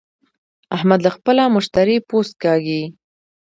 احمد له خپله مشتري پوست کاږي.